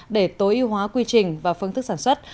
để tối ưu hóa quy trình và phương thức sản xuất